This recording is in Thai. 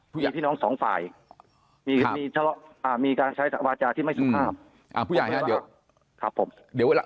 พี่น้องสองฝ่ายครับอ่ามีการใช้วาจาที่ไม่สุขภาพอ่าผู้ใหญ่ครับผมเดี๋ยวเวลา